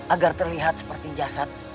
agar terlihat seperti jasad